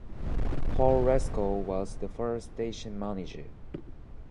Paul Roscoe was the first station manager.